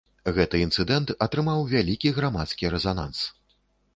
Гэты інцыдэнт атрымаў вялікі грамадскі рэзананс.